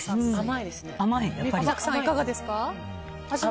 漠さん、いかがですか。